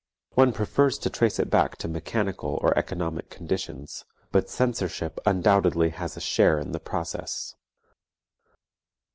One prefers to trace it back to mechanical or economic conditions; but censorship undoubtedly has a share in the process.